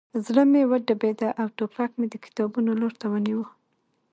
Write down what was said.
زړه مې وډبېده او ټوپک مې د کتابونو لور ته ونیو